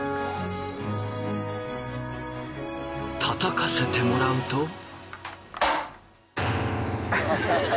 叩かせてもらうと。